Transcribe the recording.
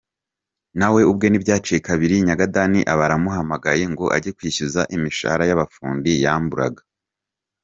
Nawe ubwe ntibyaciye kabiri nyagadani aba aramuhamagaye ngo age kumwishyuza imishahara y’abafundi yamburaga .